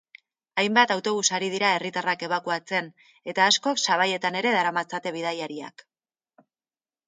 Hainbat autobus ari dira herritarrak ebakuatzen, eta askok sabaietan ere daramatzate bidaiariak.